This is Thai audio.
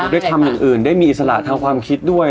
ได้ทำอย่างอื่นได้มีอิสระทางความคิดด้วย